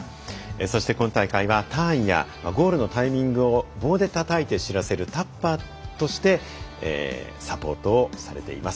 そして今大会はターンやゴールのタイミングを棒でたたいて知らせるタッパーとしてサポートをされています。